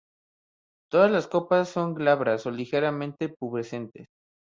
Todas las copas son glabras o ligeramente pubescentes.